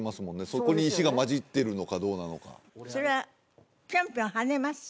そこに石がまじってるのかどうなのかそれはピョンピョン跳ねます？